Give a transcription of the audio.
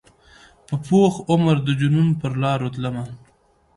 په پوخ عمر د جنون پرلاروتلمه